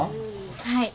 はい。